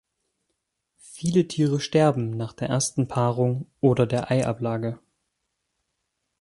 Viele Tiere sterben nach der ersten Paarung oder der Eiablage.